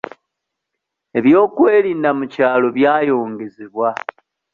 Ebyokwerinda mu kyalo byayongezebwa.